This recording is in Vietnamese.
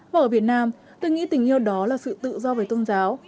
và ở việt nam tôi nghĩ tình yêu đó là sự tự do về tôn giáo